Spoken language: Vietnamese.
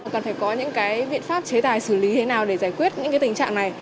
cần phải có những cái biện pháp chế tài xử lý thế nào để giải quyết những tình trạng này